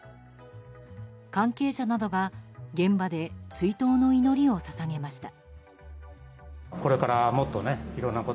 関係者などが、現場で追悼の祈りを捧げました。